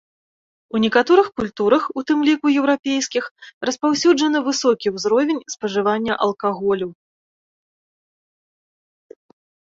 У некаторых культурах, у тым ліку еўрапейскіх, распаўсюджаны высокі ўзровень спажывання алкаголю.